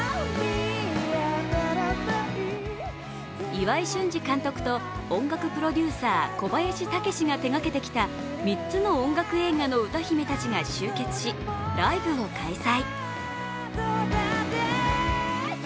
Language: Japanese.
岩井俊二監督と音楽プロデューサー・小林武史が手がけてきた３つの音楽映画の歌姫たちが集結しライブを開催。